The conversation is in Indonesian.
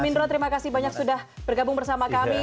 mas indro terima kasih banyak sudah bergabung bersama kami